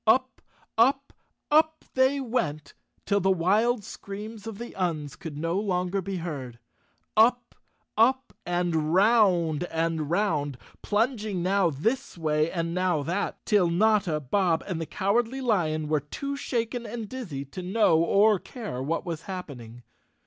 Up, up, up they went, till the wild screams of the Uns could no longer be heard. Up, up, and 'round and 170 Chapter Twelve 'round, plunging now this way and now that, till Notta, Bob and the Cowardly Lion were too shaken and dizzy to know or care what was happening.